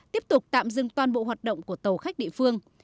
tiếp tục tạm dừng toàn bộ hoạt động của tàu khách địa phương